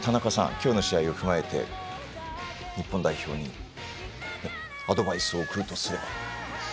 今日の試合を踏まえて日本代表にアドバイスを送るとすれば。